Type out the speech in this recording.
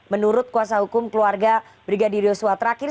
menurut kuasa hukum keluarga brigadir yusuf al terakhir